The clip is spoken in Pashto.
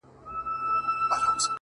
سردونو ویښ نه کړای سو ـ